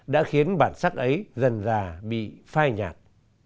đã khiến bản sắc ấy dần già bị phai nhạt